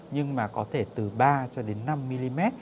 nhưng mà có thể từ ba cho đến năm mm